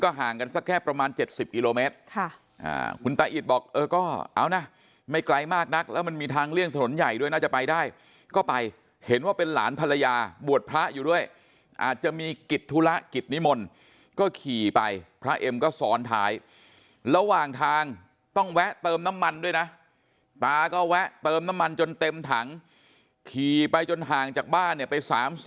ห่างกันสักแค่ประมาณ๗๐กิโลเมตรคุณตาอิดบอกเออก็เอานะไม่ไกลมากนักแล้วมันมีทางเลี่ยงถนนใหญ่ด้วยน่าจะไปได้ก็ไปเห็นว่าเป็นหลานภรรยาบวชพระอยู่ด้วยอาจจะมีกิจธุระกิจนิมนต์ก็ขี่ไปพระเอ็มก็ซ้อนท้ายระหว่างทางต้องแวะเติมน้ำมันด้วยนะตาก็แวะเติมน้ำมันจนเต็มถังขี่ไปจนห่างจากบ้านเนี่ยไป๓๐